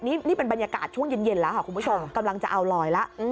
นี่เป็นบรรยากาศช่วงเย็นแล้วค่ะคุณผู้ชมกำลังจะเอาลอยแล้ว